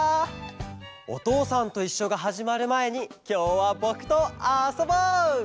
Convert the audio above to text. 「おとうさんといっしょ」がはじまるまえにきょうはぼくとあそぼう！